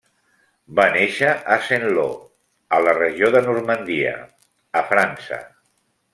Va néixer a Saint-Lô, a la regió de Normandia, a França.